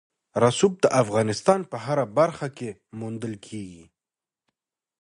رسوب د افغانستان په هره برخه کې موندل کېږي.